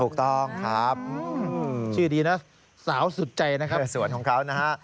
ถูกต้องครับชื่อดีนะสาวสุดใจนะครับในสวนของเขานะฮะ